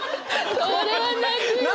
これは泣くよね！